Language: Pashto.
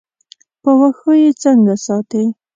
په واښو یې څنګه ساتې.